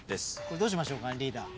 これどうしましょう？リーダー。